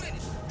perginya lo ha